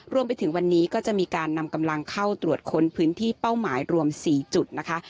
รวมไปถึงวันนี้ก็จะมีการนำกำลังเข้าตรวจค้นพื้นที่เป้าหมายรวม๔จุดนะคะ